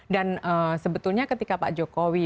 dan sebetulnya ketika pak jokowi